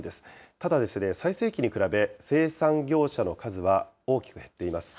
ただですね、最盛期に比べ、生産業者の数は大きく減っています。